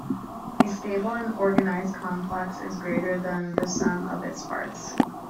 A stable and organized complex is greater than the sum of its parts.